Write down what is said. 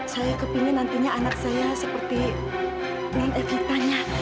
saya kepengen nantinya anak saya seperti nenek evita nya